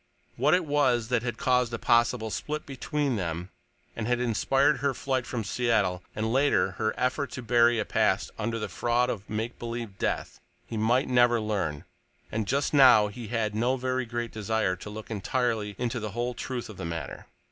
What it was that had caused a possible split between them and had inspired her flight from Seattle, and, later, her effort to bury a past under the fraud of a make believe death, he might never learn, and just now he had no very great desire to look entirely into the whole truth of the matter.